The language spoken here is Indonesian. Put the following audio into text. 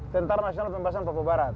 tentara nasional pembebasan papua barat